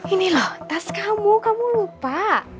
ini loh tas kamu kamu lupa